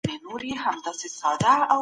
تاسي په خپلو کارونو کي همکاري کوئ.